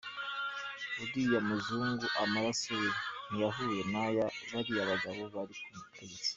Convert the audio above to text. Uriya muzungu amaraso ye ntiyahuye n’aya bariya bagabo bari ku butegetsi.